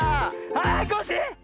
はいコッシー！